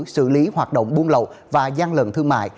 xử lý hoạt động buôn lậu và gian lận thương mại